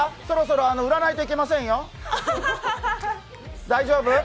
そろそろ売らないといけませんよ、大丈夫？